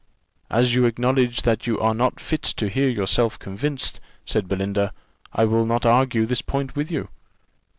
"As you acknowledge that you are not fit to hear yourself convinced," said Belinda, "I will not argue this point with you."